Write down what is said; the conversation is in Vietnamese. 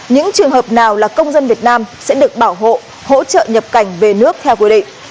những trường hợp nào là công dân việt nam sẽ được bảo hộ hỗ trợ nhập cảnh về nước theo quy định